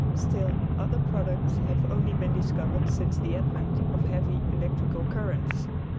Still other products have only been discovered since the advent of heavy electrical currents.